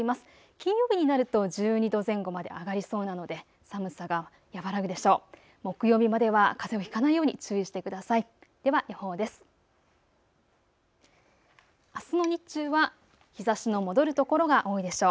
金曜日になると１２度前後まで上がりそうなので寒さが和らぐでしょう。